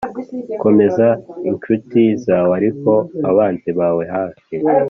komeza inshuti zawe, ariko abanzi bawe hafi.